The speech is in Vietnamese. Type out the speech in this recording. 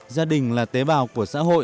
gia đình là tế bào của xã hội